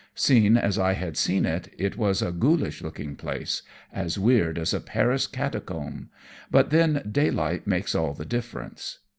Seen as I had seen it, it was a ghoulish looking place as weird as a Paris catacomb but then daylight makes all the difference.